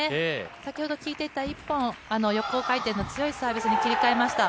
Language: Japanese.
先ほど効いていた一本横回転の強いサービスに切り替えました。